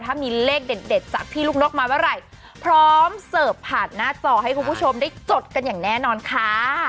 ถ้ามีเลขเด็ดจากพี่ลูกนกมาเมื่อไหร่พร้อมเสิร์ฟผ่านหน้าจอให้คุณผู้ชมได้จดกันอย่างแน่นอนค่ะ